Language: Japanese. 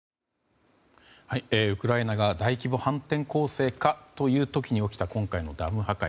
ウクライナが大規模反転攻勢かという時に起きた今回のダム破壊。